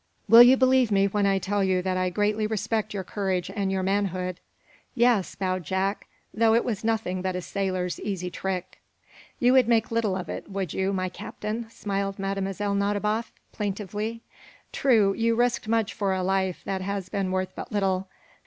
Will you believe me when I tell you that I greatly respect your courage and your manhood?" "Yes," bowed Jack. "Though it was nothing but a sailor's easy trick." "You would make little of it, would you, my Captain?" smiled Mlle. Nadiboff, plaintively. "True, you risked much for a life that has been worth but little.